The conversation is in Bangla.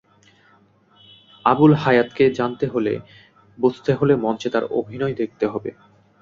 আবুল হায়াতকে জানতে হলে, বুঝতে হলে মঞ্চে তাঁর অভিনয় দেখতে হবে।